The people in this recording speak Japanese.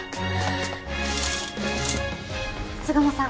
巣鴨さん